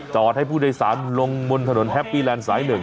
จอดให้ผู้โดยสารลงบนถนนแฮปปี้แหลนด์สายหนึ่ง